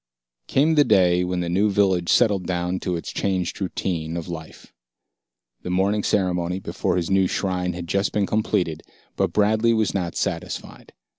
Came the day when the new village settled down to its changed routine of life. The morning ceremony before his new shrine had just been completed, but Bradley was not satisfied.